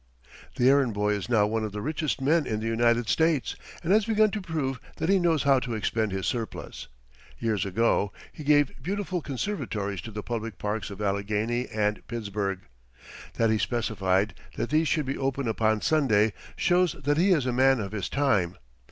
The errand boy is now one of the richest men in the United States and has begun to prove that he knows how to expend his surplus. Years ago he gave beautiful conservatories to the public parks of Allegheny and Pittsburgh. That he specified "that these should be open upon Sunday" shows that he is a man of his time.